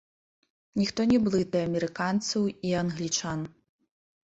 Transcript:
Ніхто не блытае амерыканцаў і англічан.